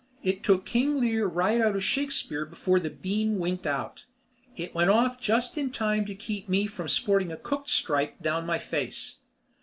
It took King Lear right out of Shakespeare before the beam winked out. It went off just in time to keep me from sporting a cooked stripe down my face.